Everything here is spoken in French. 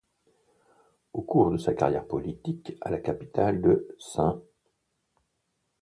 Au cours de sa carrière politique à la capitale de St.